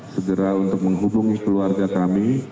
segera untuk menghubungi keluarga kami